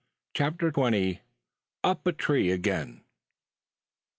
CHAPTER TWENTY. UP A TREE AGAIN!